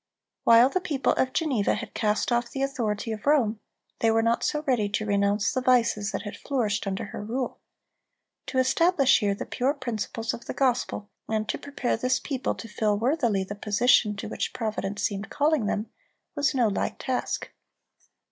While the people of Geneva had cast off the authority of Rome, they were not so ready to renounce the vices that had flourished under her rule. To establish here the pure principles of the gospel, and to prepare this people to fill worthily the position to which Providence seemed calling them, was no light task.